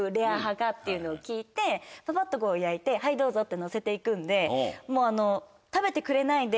かっていうのを聞いてパパッと焼いてはいどうぞってのせて行くんで食べてくれないで。